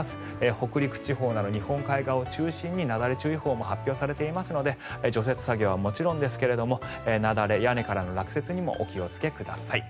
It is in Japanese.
北陸地方など日本海側を中心になだれ注意報も発表されていますので除雪作業はもちろんですが雪崩、屋根からの落雪にもお気をつけください。